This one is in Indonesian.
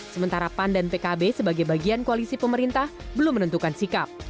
sementara pan dan pkb sebagai bagian koalisi pemerintah belum menentukan sikap